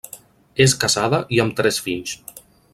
És casada i amb tres fills.